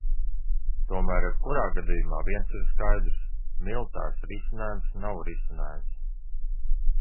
Tomēr jebkurā gadījumā viens ir skaidrs: militārs risinājums nav risinājums.